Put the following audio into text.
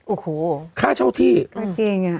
อูหูค่าเช่าที่ค่าเช่นเนี่ย